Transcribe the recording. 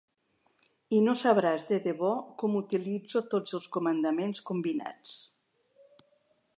I no sabràs de debò com utilitzo tots els comandaments combinats.